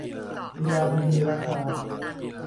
ลีลาดีมีราคา